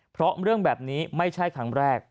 เพราะเรื่องแบบนี้ไม่ใช่ครั้งแรก